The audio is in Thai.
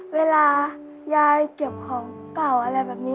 เวลายายเก็บของเก่าอะไรแบบนี้